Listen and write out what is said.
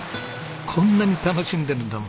こんなに楽しんでるんだもん。